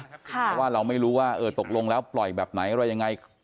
เพราะว่าเราไม่รู้ว่าเออตกลงแล้วปล่อยแบบไหนอะไรยังไง